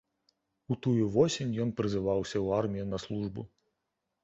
У тую восень ён прызываўся ў армію на службу.